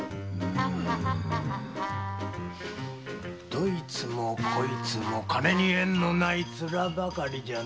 どいつもこいつも金に縁のないツラばかり。